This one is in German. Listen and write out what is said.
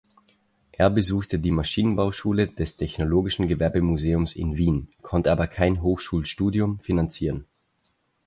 Er besuchte die Maschinenbauschule des Technologischen Gewerbemuseums in Wien, konnte aber kein Hochschulstudium finanzieren.